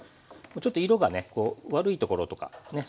ちょっと色がね悪いところとかね